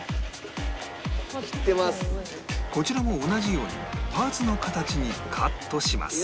こちらも同じようにパーツの形にカットします